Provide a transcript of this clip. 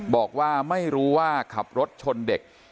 บอกว่าไม่รู้ว่าขับรถชนเด็ก